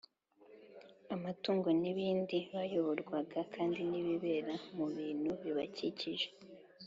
amatungo n’ibindi. Bayoborwaga kandi n’ibibera mu bintu bibakikije.